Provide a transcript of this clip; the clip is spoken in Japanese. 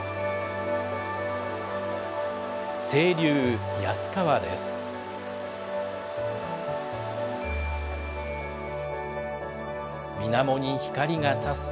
清流、安川です。